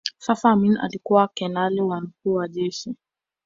Sasa Amin alikuwa kanali na Mkuu wa Jeshi